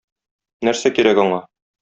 Нәрсә кирәк аңа?